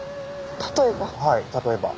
例えば？